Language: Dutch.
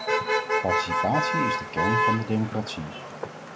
Participatie is de kern van de democratie.